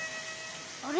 あれ？